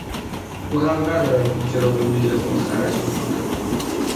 او حق ندارد بودجه را به میل خود خرج بکند.